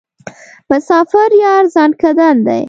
مسافر یار ځانکدن دی.